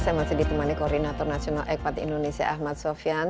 saya masih ditemani koordinator nasional egpat indonesia ahmad sofyan